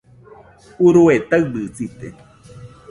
Urue taɨbɨsite